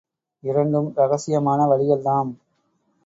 இரண்டும் ரகசியமான வழிகள் தாம்.